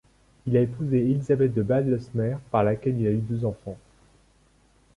Il a épousé Elisabeth de Badlesmere, par laquelle il a eu deux enfants.